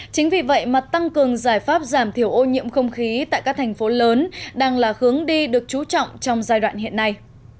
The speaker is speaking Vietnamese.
chính vì vậy mà tăng cường giải pháp giảm thiểu ô nhiễm không khí tại các thành phố lớn đang là hướng đi được chú trọng trong giai đoạn hiện nay